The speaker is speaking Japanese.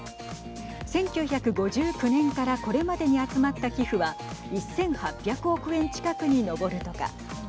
１９５９年からこれまでに集まった寄付は１８００億円近くに上るとか。